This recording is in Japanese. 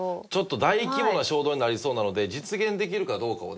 大規模な衝動になりそうなので実現できるかどうかをね